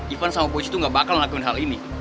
ivan sama bocin tuh gak bakal ngelakuin hal ini